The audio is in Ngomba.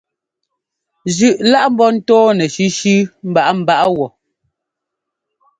Zʉꞌ lá ḿbɔ́ ńtɔ́ɔnɛ sʉsʉ mbaꞌámbaꞌá wɔ.